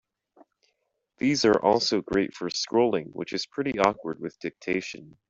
These are also great for scrolling, which is pretty awkward with dictation.